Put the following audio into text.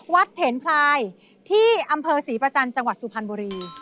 เถนพลายที่อำเภอศรีประจันทร์จังหวัดสุพรรณบุรี